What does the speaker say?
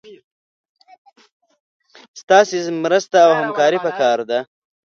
ستاسي مرسته او همکاري پکار ده